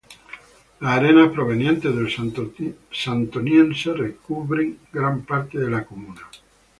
Las arenas provenientes del Santoniense recubren gran parte de la comuna.